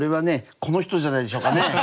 この人じゃないでしょうかね。